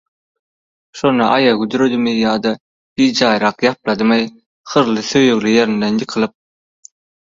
Şonda aýagy büdredimi ýa-da bijaýrak ýapladymy hyrly söýelgi ýerinden ýykylyp